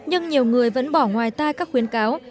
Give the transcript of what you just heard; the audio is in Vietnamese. nhưng nhiều người vẫn bỏ ngoài tai các khuyến cáo